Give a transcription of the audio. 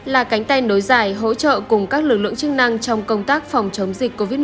là cánh tay nối dài hỗ trợ cùng các lực lượng chức năng trong công tác phòng chống dịch covid một mươi chín hiệu quả